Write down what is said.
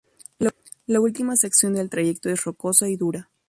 La última sección del trayecto es rocosa y dura.